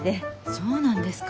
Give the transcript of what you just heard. そうなんですか。